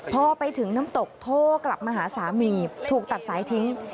พอไปถึงน้ำตกโทรกลับมาหาสามีถูกตัดสายทิ้ง